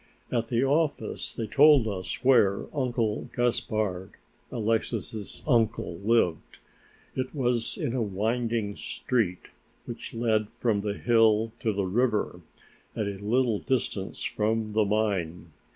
At the office they told us where Uncle Gaspard, Alexix's uncle, lived. It was in a winding street, which led from the hill to the river, at a little distance from the mine.